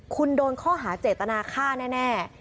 คุณโดนข้อหาเจตนาฆ่าแน่